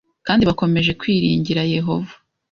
kandi bakomeje kwiringira Yehova